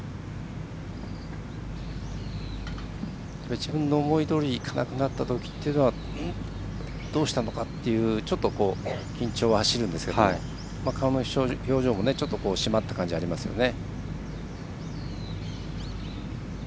自分の思いどおりにいかなくなったときというのはどうしたのかってちょっと、緊張が走るんですが顔の表情も締まった感じがありますよね。